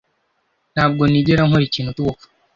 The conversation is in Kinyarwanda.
Ntabwo nigera nkora ikintu cyubupfu